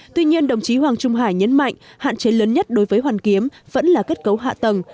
tuy nhiên đồng chí hoàng trung hải nhấn mạnh hạn chế lớn nhất đối với hoàn kiếm vẫn là kết cấu hạ tầng